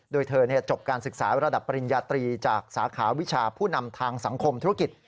โดยเธอจบการศึกษาระดับปริญญาตรีจากสาขาวิชาผู้นำทางสังคมธุรกิจ